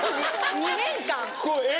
２年間！